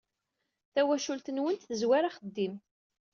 Tawacult-nwent tezwar axeddim.